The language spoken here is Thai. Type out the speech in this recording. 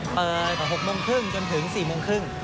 เปิด๖โมงครึ่งจนถึง๔โมงครึ่ง